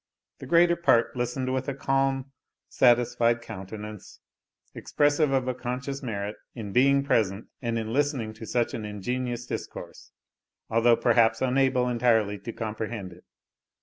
The greater part listened with a calm, satisfied countenance, expressive of a conscious merit in being present, and in listening to such an ingenious discourse, although perhaps unable entirely to comprehend it.